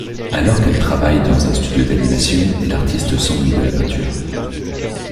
Alors qu'elle travaille dans un studio d'animation, l'artiste s'ennuie de la peinture.